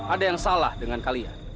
ada yang salah dengan kalian